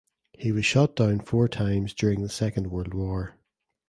He was shot down four times during the Second World War.